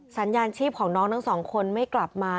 สัญญาณชีพของน้องทั้งสองคนไม่กลับมา